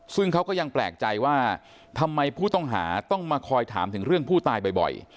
ซึ่งเขาก็ยังแปลกใจว่าทำไมผู้ต้องหาต้องมาคอยถามถึงเรื่องผู้ตายบ่อย